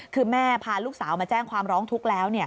คือแม่พาลูกสาวมาแจ้งความร้องทุกข์แล้ว